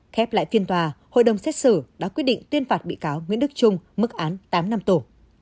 khép lại phiên tòa hội đồng xét xử đã quyết định tuyên phạt bị cáo nguyễn đức trung mức án tám năm tù